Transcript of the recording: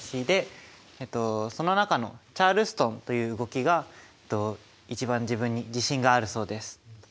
でその中のチャールストンという動きが一番自分に自信があるそうです。